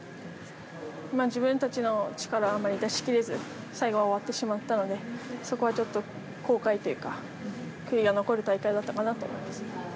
自分たちの力をあまり出しきれず最後は終わってしまったのでそこはちょっと後悔というか悔いが残る大会だったかなと思います。